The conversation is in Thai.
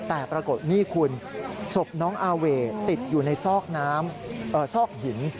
แต่ปรากฏนี่คุณศพน้องอาเวติดอยู่ในซอกน้ำซอกหิน